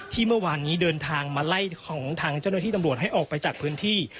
ที่เมื่อวานนี้เดินทางมาไล่ของทางเจ้าหน้าที่ตำรวจให้ออกไปจากพื้นที่